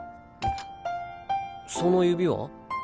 その指は？